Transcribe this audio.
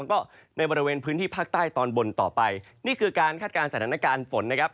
แล้วก็ในบริเวณพื้นที่ภาคใต้ตอนบนต่อไปนี่คือการคาดการณ์สถานการณ์ฝนนะครับ